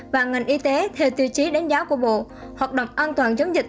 và ngành y tế theo tiêu chí đánh giá của bộ hoạt động an toàn chống dịch